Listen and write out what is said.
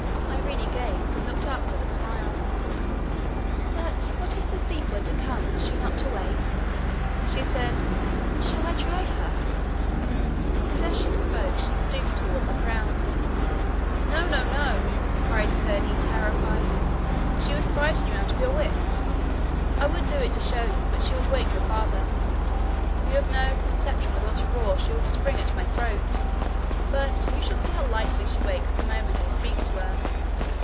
Irene gazed, and looked up with a smile. 'But what if the thief were to come, and she not to wake?' she said. 'Shall I try her?' And as she spoke she stooped toward the crown. 'No, no, no!' cried Curdie, terrified. 'She would frighten you out of your wits. I would do it to show you, but she would wake your father. You have no conception with what a roar she would spring at my throat. But you shall see how lightly she wakes the moment I speak to her.